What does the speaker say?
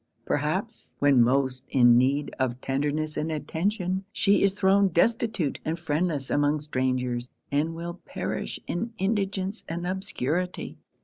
perhaps, when most in need of tenderness and attention, she is thrown destitute and friendless among strangers, and will perish in indigence and obscurity.